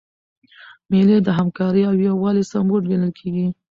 مېلې د همکارۍ او یووالي سمبول ګڼل کېږي.